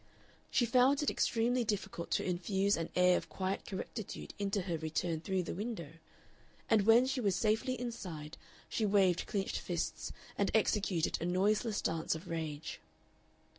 She found it extremely difficult to infuse an air of quiet correctitude into her return through the window, and when she was safely inside she waved clinched fists and executed a noiseless dance of rage.